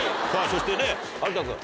そしてね有田君。